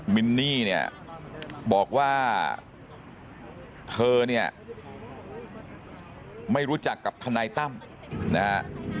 มินนี่เนี่ยบอกว่าเธอเนี่ยไม่รู้จักกับทนายตั้มนะฮะ